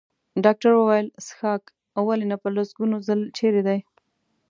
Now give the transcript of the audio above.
ډاکټر وویل: څښاک؟ ولې نه، په لسګونو ځل، چېرې دی؟